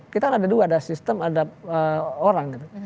kita ada dua ada sistem ada orang gitu